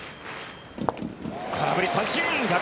空振り三振。